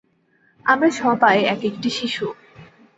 আমরা সবাই এক একটি শিশু।